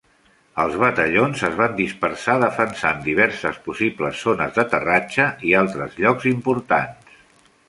Els batallons es van dispersar defensant diverses possibles zones d'aterratge i altres llocs importants.